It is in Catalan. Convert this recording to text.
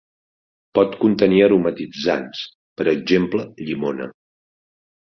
Pot contenir aromatitzants, per exemple llimona.